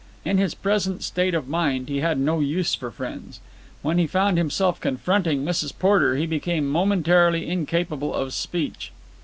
In his present state of mind he had no use for friends. When he found himself confronting Mrs. Porter he became momentarily incapable of speech.